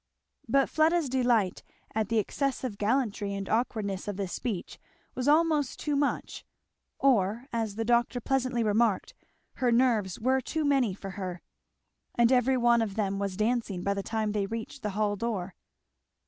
But Fleda's delight at the excessive gallantry and awkwardness of this speech was almost too much; or, as the doctor pleasantly remarked, her nerves were too many for her; and every one of them was dancing by the time they reached the hall door.